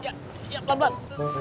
iya iya pelan pelan